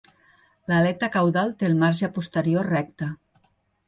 L'aleta caudal té el marge posterior recte.